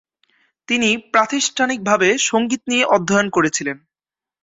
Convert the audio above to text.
তিনি প্রাতিষ্ঠানিকভাবে সঙ্গীত নিয়ে অধ্যয়ন করেছিলেন।